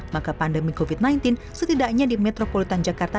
maka pandemi covid sembilan belas setidaknya di metropolitan jakarta